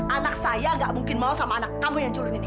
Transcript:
anak saya gak mungkin mau sama anak kamu yang jualin ini